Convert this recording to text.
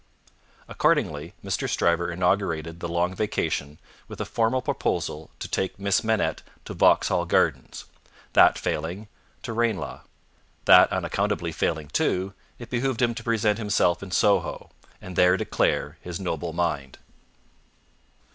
Accordingly, Mr. Stryver inaugurated the Long Vacation with a formal proposal to take Miss Manette to Vauxhall Gardens; that failing, to Ranelagh; that unaccountably failing too, it behoved him to present himself in Soho, and there declare his noble mind.